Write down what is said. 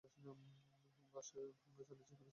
হামলা চালিয়েছে প্যারিসের পাতালরেলে।